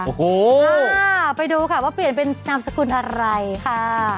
โอ้โหไปดูค่ะว่าเปลี่ยนเป็นนามสกุลอะไรค่ะ